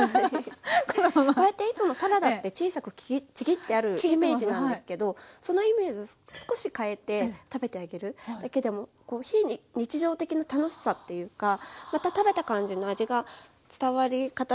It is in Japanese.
こうやっていつもサラダって小さくちぎってあるイメージなんですけどそのイメージを少し変えて食べてあげるだけでも非日常的な楽しさっていうかまた食べた感じの味が伝わり方も違ってきたりするのではい。